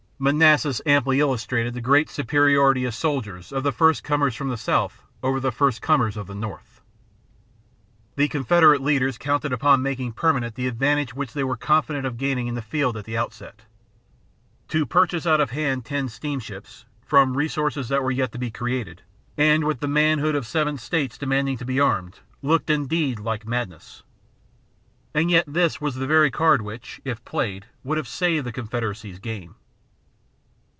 Manassas amply illustrated the great superiority as soldiers of the first comers from the South over the first comers from the North. The Confederate leaders counted upon making permanent the advantage which they were confident of gaining in the field at the outset. To purchase out of hand ten steamships, from resources that were yet to be created, and with the manhood of seven States demanding to be armed, looked, indeed, like madness. And yet this was the very card which, if played, would have saved the Confederacy's game.